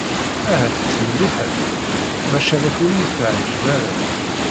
Ahat-tt melliḥet, maca nekk ur yi-teεǧib ara.